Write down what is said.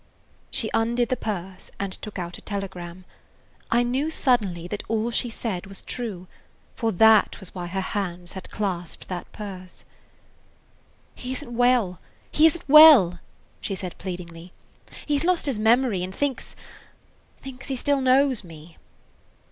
She undid the purse and took out a telegram. I knew suddenly that all she said was true; for that was why her hands had clasped that purse. "He is n't well! He is n't well!" she said pleadingly. "He 's lost his memory, and thinks–thinks he still knows me."